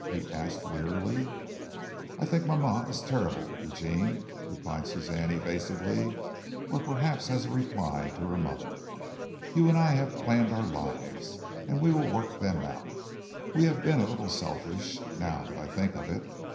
he asked wearily. "I think mama is terrible, Eugene," replied Suzanne evasively, or perhaps as a reply to her mother. "You and I have planned our lives, and we will work them out. We have been a little selfish, now that I think of it.